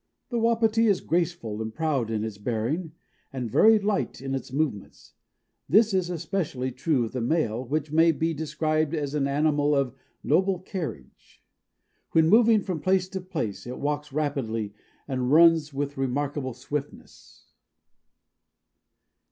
The Wapiti is graceful and proud in its bearing and very light in its movements. This is especially true of the male, which may be described as an animal of "noble carriage." When moving from place to place it walks rapidly and runs with remarkable swiftness.